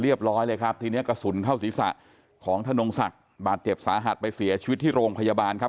ร้อยเลยครับทีนี้กระสุนเข้าศีรษะของธนงศักดิ์บาดเจ็บสาหัสไปเสียชีวิตที่โรงพยาบาลครับ